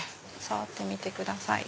触ってみてください。